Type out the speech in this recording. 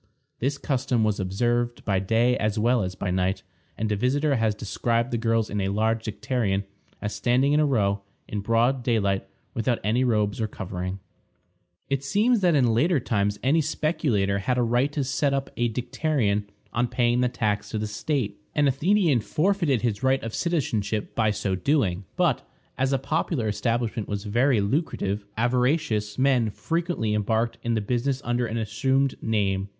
This custom was observed by day as well as by night, and a visitor has described the girls in a large dicterion as standing in a row, in broad daylight, without any robes or covering. It seems that in later times any speculator had a right to set up a dicterion on paying the tax to the state. An Athenian forfeited his right of citizenship by so doing; but, as a popular establishment was very lucrative, avaricious men frequently embarked in the business under an assumed name.